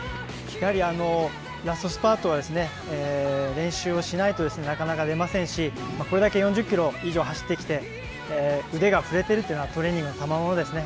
ラストスパートは練習をしないとなかなか出ませんしこれだけ４０ｋｍ以上走ってきて腕が振れてるというのはトレーニングのたまものですね。